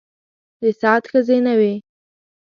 د سعد ښځې نه وې.